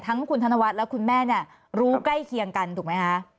ทั้งคุณธนวัฒน์และคุณแม่เนี่ยรู้ใกล้เคียงกันถูกไหมคะ